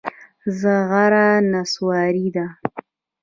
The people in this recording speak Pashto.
زغر نصواري دي.